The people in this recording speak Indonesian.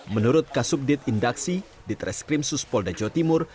menurut kasus subdit indaksi ditres krimsus polda jawa timur